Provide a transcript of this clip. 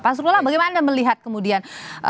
pak sukolah bagaimana melihat kemudian